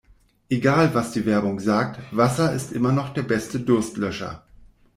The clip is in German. Egal was die Werbung sagt, Wasser ist immer noch der beste Durstlöscher.